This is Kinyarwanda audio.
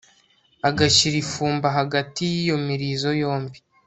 agashyira ifumba hagati y'iyo mirizo yombi